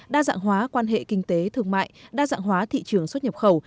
đa dạng hóa quan hệ kinh tế thương mại đa dạng hóa thị trường xuất nhập khẩu